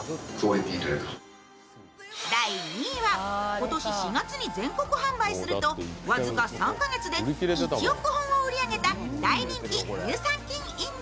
今年４月に全国販売すると僅か３カ月で１億本を売り上げた大人気乳酸菌飲料。